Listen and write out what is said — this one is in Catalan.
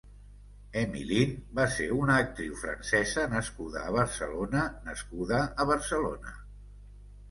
Emmy Lynn va ser una actriu francesa nascuda a Barcelona nascuda a Barcelona.